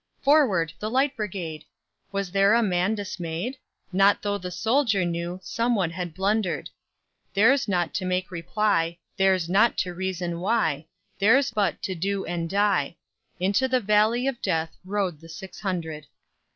"Forward, the Light Brigade!" Was there a man dismay'd? Not tho' the soldier knew Some one had blunder'd: Their's not to make reply, Their's not to reason why, Their's but to do and die: Into the valley of Death Rode the six hundred.